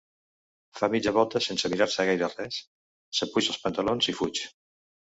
Fa mitja volta sense mirar-se gaire res, s'apuja els pantalons i fuig.